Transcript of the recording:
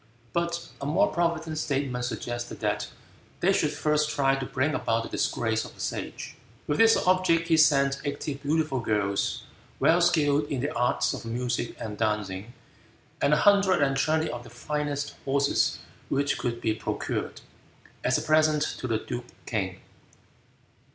But a more provident statesman suggested that they should first try to bring about the disgrace of the Sage. With this object he sent eighty beautiful girls, well skilled in the arts of music and dancing, and a hundred and twenty of the finest horses which could be procured, as a present to the duke King.